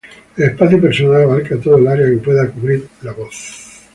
El espacio personal abarca toda el área que puede cubrir la voz.